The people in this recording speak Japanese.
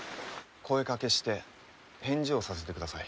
声かけして返事をさせてください。